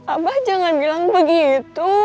abah jangan bilang begitu